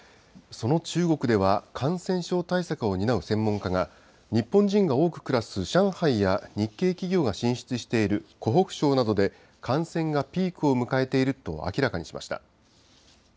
その中国では、感染症対策を担う専門家が、日本人が多く暮らす上海や日系企業が進出している湖北省などで、感染がピークを迎えていると明らかにしました。